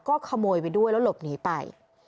ก็ขโมยไปด้วยแล้วหลบหนีไป